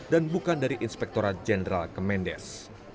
dan bukan dari inspektoral jenderal kemendes